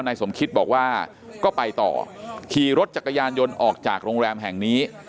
นายสมคิตบอกว่าก็ไปต่อขี่รถจักรยานยนต์ออกจากโรงแรมแห่งนี้